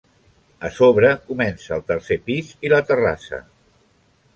A sobre, comença el tercer pis i la terrassa.